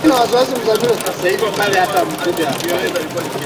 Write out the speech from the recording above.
kwa kudai kuwa ripoti hiyo ni ya uongo na yenye madhumuni ya kumhujumu kisiasa